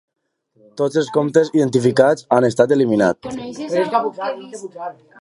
Tots els comptes identificats han estat eliminats.